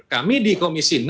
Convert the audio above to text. kami di komisi enam